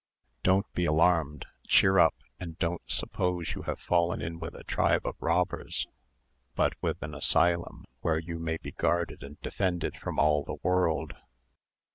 Don't be alarmed, cheer up, and don't suppose you have fallen in with a tribe of robbers, but with an asylum, where you may be guarded and defended from all the world.